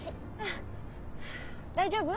大丈夫？